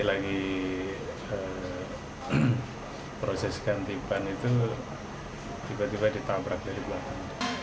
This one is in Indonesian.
lagi proses ganti ban itu tiba tiba ditabrak dari belakang